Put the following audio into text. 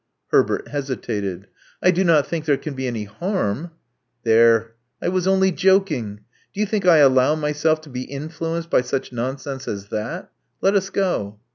" Herbert hesitated. I do not think there can be any harm "•* There: I was only joking. Do you think I allow myself to be influenced by such nonsense as that? Let us go."